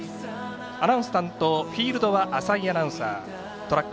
アナウンス担当フィールドは浅井アナウンサートラック